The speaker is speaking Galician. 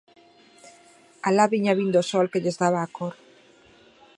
Alá viña vindo o sol que lles daba a cor.